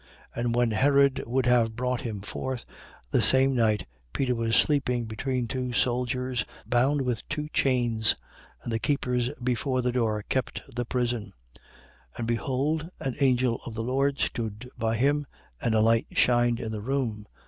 12:6. And when Herod would have brought him forth, the same night, Peter was sleeping between two soldiers, bound with two chains: and the keepers before the door kept the prison. 12:7. And behold an angel of the Lord stood by him and a light shined in the room.